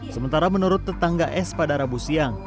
sementara menurut tetangga s pada rabu siang